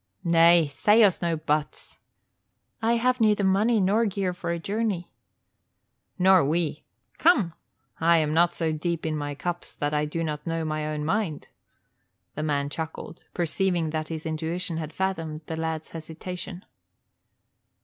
"Nay, say us no buts." "I have neither money nor gear for a journey." "Nor we come! Nay, I am not so deep in my cups that I do not know my own mind." The man chuckled, perceiving that his intuition had fathomed the lad's hesitation.